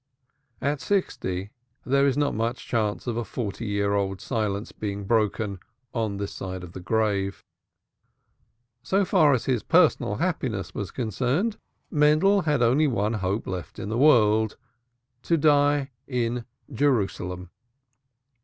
At sixty there is not much chance of a forty year old silence being broken on this side of the grave. So far as his personal happiness was concerned, Mendel had only one hope left in the world to die in Jerusalem.